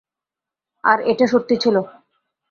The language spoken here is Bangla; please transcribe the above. আর এটা সত্যি ছিল।